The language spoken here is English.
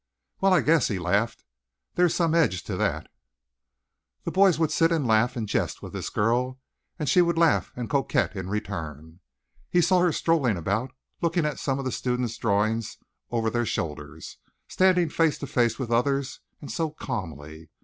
"Well, I guess," he laughed. "There's some edge to that." The boys would sit and laugh and jest with this girl, and she would laugh and coquette in return. He saw her strolling about looking at some of the students' drawings of her over their shoulders, standing face to face with others and so calmly.